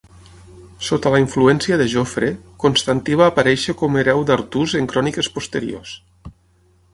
Sota la influència de Jofre, Constantí va aparèixer com hereu d'Artús en cròniques posteriors.